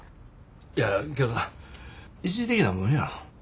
いやけどな一時的なもんやろ。